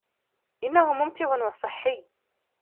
إنهُ مُمتع وصحي.